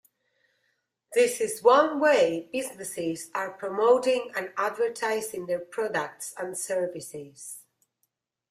This is one way businesses are promoting and advertising their products and services.